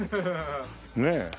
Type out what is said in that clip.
ねえ。